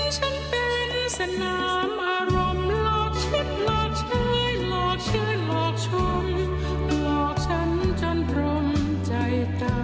ฉันกลัวเหลือเกินเพราะรักฉันต้องร้องไห้